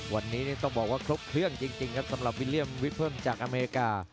วันนี้ต้องบอกว่าครบเครื่องจริงครับสำหรับวิลเลี่ยมวิเคิลจากอเมริกา